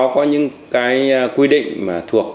cái quy định mà thuộc